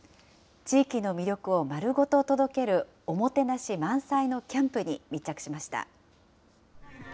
地域の魅力をまるごと届けるおもてなし満載のキャンプに密着しました。